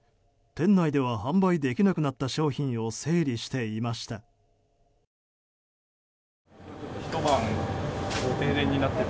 店内では販売できなくなった商品を整理していました。